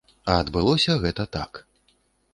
А адбылося гэта так.